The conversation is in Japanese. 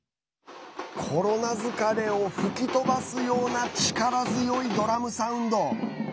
コロナ疲れを吹き飛ばすような力強いドラムサウンド。